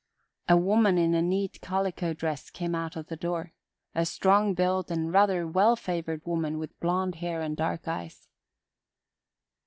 A woman in a neat calico dress came out of the door a strong built and rather well favored woman with blond hair and dark eyes.